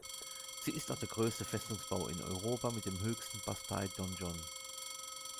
Sie ist auch der größte Festungsbau in Europa mit dem höchsten Bastei-Donjon.